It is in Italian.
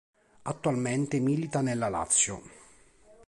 Attualmente milita nella Lazio.